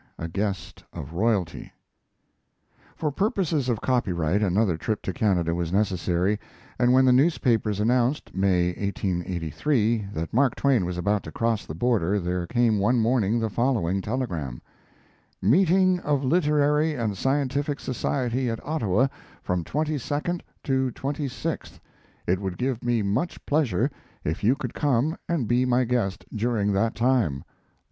A GUEST OF ROYALTY For purposes of copyright another trip to Canada was necessary, and when the newspapers announced (May, 1883) that Mark Twain was about to cross the border there came one morning the following telegram: Meeting of Literary and Scientific Society at Ottawa from 22d to 26th. It would give me much pleasure if you could come and be my guest during that time.